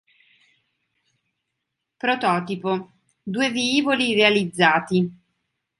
Prototipo, due velivoli realizzati.